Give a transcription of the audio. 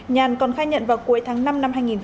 nhàn còn khai nhận vào cuối tháng năm năm hai nghìn hai mươi